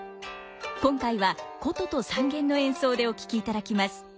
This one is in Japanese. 今回は箏と三絃の演奏でお聴きいただきます。